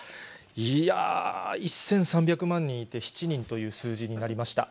いやー、１３００万人いて７人という数字になりました。